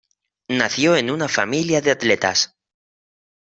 Nació en una familia de atletas.